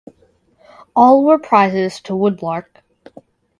All were prizes to "Woodlark".